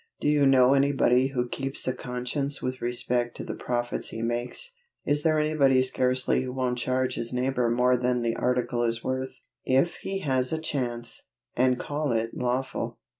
Do you know anybody who keeps a conscience with respect to the profits he makes? Is there anybody scarcely who won't charge his neighbor more than the article is worth, if he has a chance, and call it lawful?